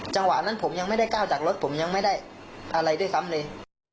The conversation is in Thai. จังหวะนั้นผมยังไม่ได้ก้าวจากรถผมยังไม่ได้อะไรด้วยซ้ำเลย